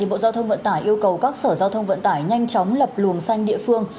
bộ giao thông vận tải yêu cầu các sở giao thông vận tải nhanh chóng lập luồng xanh địa phương